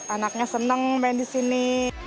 anaknya senang main di sini